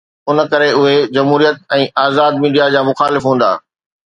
ان ڪري اهي جمهوريت ۽ آزاد ميڊيا جا مخالف هوندا.